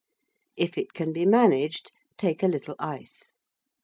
If it can be managed, take a little ice.